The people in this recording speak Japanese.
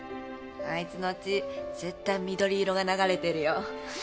あいつの血絶対緑色が流れてるよ。